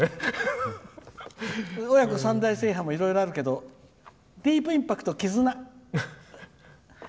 親子３代制覇もいろいろあるけどディープインパクト、キズナ。